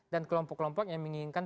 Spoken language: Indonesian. dan kelompok kelompok yang menginginkan